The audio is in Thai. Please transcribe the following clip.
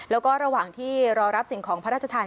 แล้วก็ระหว่างที่รอรับสิ่งของพระราชทาน